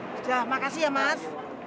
sudah makasih ya mas